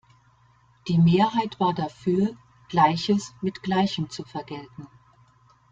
Die Mehrheit war dafür, Gleiches mit Gleichem zu vergelten.